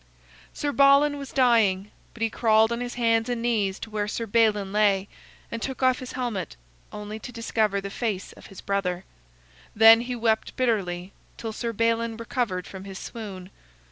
Sir Balan was dying, but he crawled on his hands and knees to where Sir Balin lay, and took off his helmet only to discover the face of his brother. Then he wept bitterly till Sir Balin recovered from his swoon.